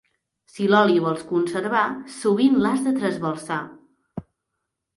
Si l'oli vols conservar, sovint l'has de trasbalsar.